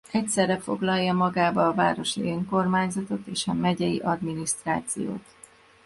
Egyszerre foglalja magába a városi önkormányzatot és a megyei adminisztrációt.